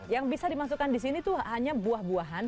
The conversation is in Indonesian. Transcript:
yang bisa dimasukkan di sini tuh hanya buah buahan